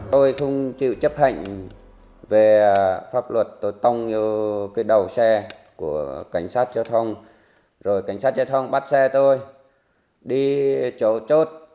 tôi không chịu chấp hành về pháp luật tôi tông vô cái đầu xe của cảnh sát giao thông rồi cảnh sát giao thông bắt xe tôi đi chỗ chốt